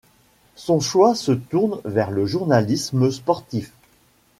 Son choix se tourne vers le journalisme sportif.